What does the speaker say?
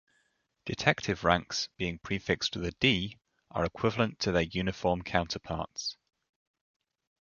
Detective ranks being prefixed with a "D" are equivalent to their uniform counterparts.